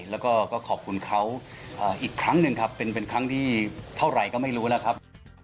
แล้วก็ขอบคุณเขาอีกครั้งหนึ่งครับเป็นครั้งที่เท่าไหร่ก็ไม่รู้แล้วครับ